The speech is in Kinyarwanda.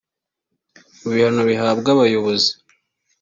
Mu bihano bihabwa abayobozi